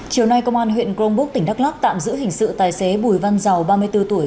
chiều nay công an huyện crongbuk tỉnh đắk lắc tạm giữ hình sự tài xế bùi văn giàu ba mươi bốn tuổi